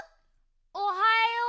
おはよう。